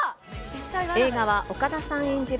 映画は、岡田さん演じる